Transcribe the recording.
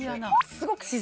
すごく。